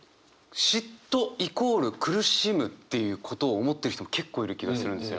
嫉妬イコール苦しむっていうことを思ってる人も結構いる気がするんですよ